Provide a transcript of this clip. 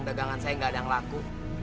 dagangan saya nggak ada yang laku